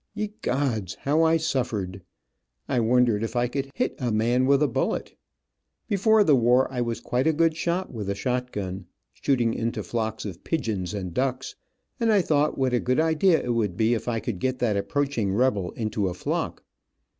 Ye gods, how I suffered! I wondered if I could hit a man with a bullet. Before the war I was quite a good shot with a shotgun, shooting into flocks of pigeons and ducks, and I thought what a good idea it would be if I could get that approaching rebel into a flock.